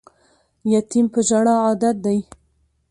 یتیم په ژړا عادت دی